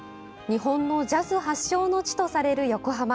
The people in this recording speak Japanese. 日本のジャズ発祥の地とされる横浜。